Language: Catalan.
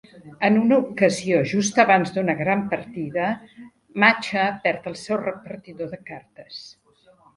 En una ocasió, just abans d'una gran partida, Macha perd el seu repartidor de cartes.